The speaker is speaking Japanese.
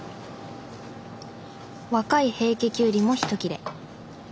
若い平家キュウリもひと切れ。